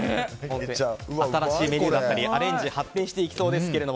新しいメニューだったりアレンジが発展していきそうですけど